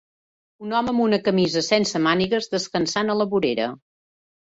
Un home amb una camisa sense mànigues descansant a la vorera.